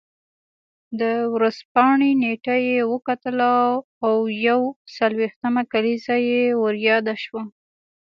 د ورځپاڼې نېټه یې وکتله او یو څلوېښتمه کلیزه یې ور یاده شوه.